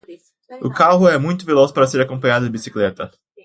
O carro é muito veloz para ser acompanhado de bicicleta.